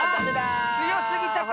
あっつよすぎたか！